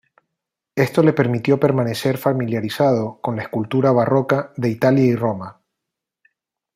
Esto le permitió permanecer familiarizado con la escultura barroca de Italia y Roma.